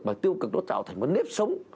và tiêu cực nó trở thành một nếp sống